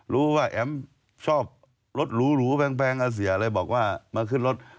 ว่าแอ๋มชอบรถหรูแพงเสียเลยบอกว่ามาขึ้นรถ